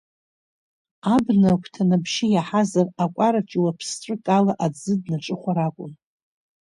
Абна агәҭан абжьы иаҳазар, акәараҿ иуаԥсҵәык ала аӡы днаҿыхәар акәын.